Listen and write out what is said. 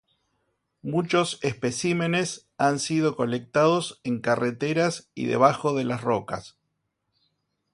Muchos especímenes han sido colectados en carreteras y debajo de las rocas.